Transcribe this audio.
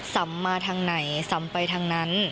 สำมาทางไหนสำไปทางนั้น